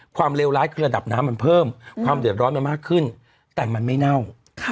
เลวร้ายคือระดับน้ำมันเพิ่มความเดือดร้อนมันมากขึ้นแต่มันไม่เน่า